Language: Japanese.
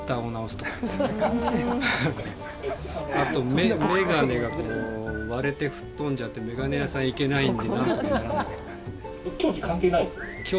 あと眼鏡が割れて吹っ飛んじゃって眼鏡屋さん行けないんでなんとかならないかっていう。